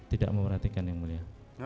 tidak memerhatikan yang mulia